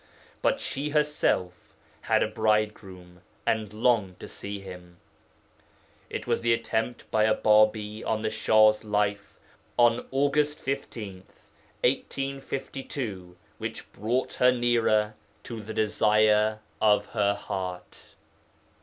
But she herself had a bridegroom, and longed to see him. It was the attempt by a Bābī on the Shah's life on August 15, 1852, which brought her nearer to the desire of her heart.